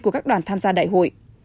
của các đoàn tham gia đại hội